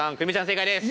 正解です。